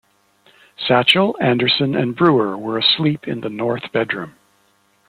Satchel, Anderson, and Brewer were asleep in the north bedroom.